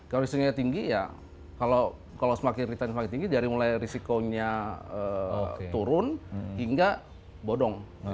kalau listriknya tinggi ya kalau semakin return semakin tinggi dari mulai risikonya turun hingga bodong